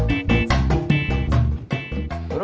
bukankah kita bisa berpikir sama